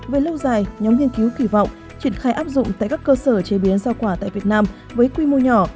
về lâu dài nhóm nghiên cứu kỳ vọng triển khai áp dụng tại các cơ sở chế biến rau quả tại việt nam với quy mô nhỏ